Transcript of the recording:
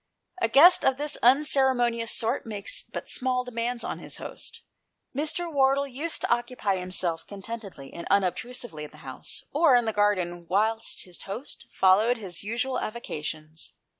A guest of this unceremonious sort makes but small demands upon his host. Mr. Wardle used to occupy himself contentedly and unob trusively in the house or in the garden whilst his host followed his usual avocations.